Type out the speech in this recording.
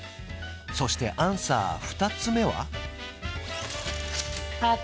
そしてアンサー二つ目は？